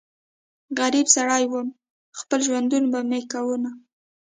غريب سړی ووم خپل ژوندون به مې کوونه